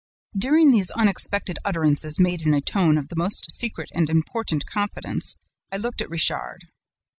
"During these unexpected utterances made in a tone of the most secret and important confidence, I looked at Richard.